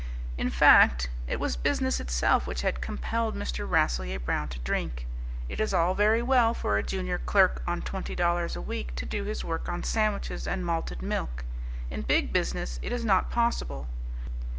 In fact, it was business itself which had compelled Mr. Rasselyer Brown to drink. It is all very well for a junior clerk on twenty dollars a week to do his work on sandwiches and malted milk. In big business it is not possible.